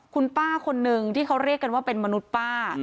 คุณป้าคนนึงที่เขาเรียกกันว่าเป็นมนุษย์ป้า